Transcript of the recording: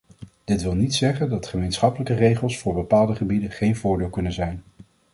Dit wil niet zeggen dat gemeenschappelijke regels voor bepaalde gebieden geen voordeel kunnen zijn.